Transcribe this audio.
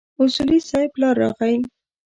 اصولي صیب پلار راغی.